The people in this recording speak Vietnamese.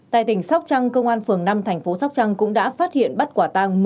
tại tỉnh sóc trăng công an phường năm tp sóc trăng cũng đã phát hiện bắt quả tăng